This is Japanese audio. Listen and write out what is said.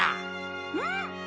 うん。